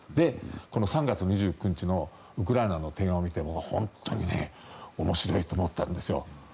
この３月２９日のウクライナの提案を見ても本当に面白いと思ったんですよ。